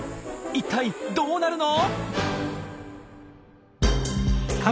一体どうなるの？